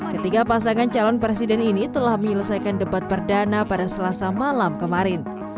ketiga pasangan calon presiden ini telah menyelesaikan debat perdana pada selasa malam kemarin